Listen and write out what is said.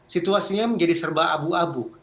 situasinya menjadi serba abu abu